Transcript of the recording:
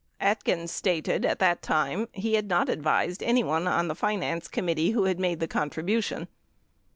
Atkins stated at that time he had not advised anyone on the finance committee who had made the con tribution.